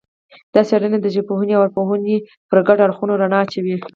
دا څېړنه د ژبپوهنې او ارواپوهنې پر ګډو اړخونو رڼا اچوي